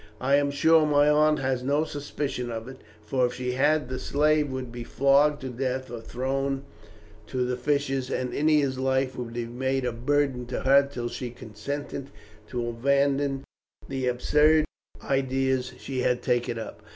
I am sure my aunt has no suspicion of it, for if she had the slave would be flogged to death or thrown to the fishes, and Ennia's life would be made a burden to her till she consented to abandon the absurd ideas she had taken up."